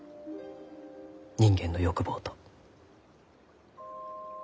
人間の欲望と。